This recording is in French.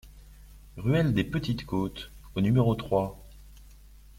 Ruelle des Petites Côtes au numéro trois